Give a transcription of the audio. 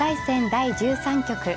第１３局。